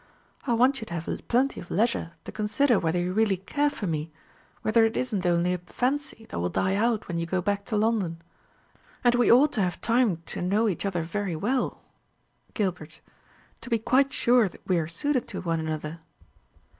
I want you to have plenty of leisure to consider whether you really care for me, whether it isn't only a fancy that will die out when you go back to London. And we ought to have time to know each other very well, Gilbert, to be quite sure we are suited to one another."